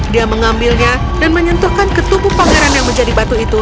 dia mengambilnya dan menyentuhkan ketubuh pangeran yang menjadi batu itu